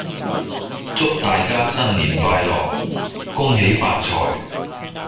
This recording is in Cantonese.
祝大家新年快樂！恭喜發財！